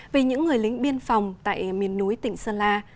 về những người lính biên phòng tại miền núi tỉnh sơn la